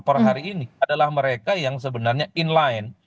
per hari ini adalah mereka yang sebenarnya inline